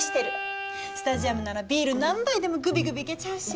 スタジアムならビール何杯でもグビグビいけちゃうし。